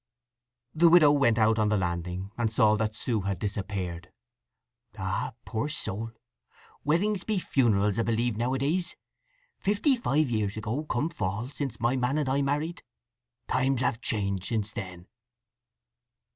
The widow went out on the landing, and saw that Sue had disappeared. "Ah! Poor soul! Weddings be funerals 'a b'lieve nowadays. Fifty five years ago, come Fall, since my man and I married! Times have changed since then!"